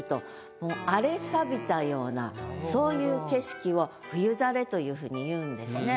もう荒れさびたようなそういう景色を「冬ざれ」というふうにいうんですね。